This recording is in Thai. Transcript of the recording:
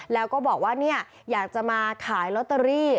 แล้วก็บอกว่าอยากจะมาขายล็อเตอรี่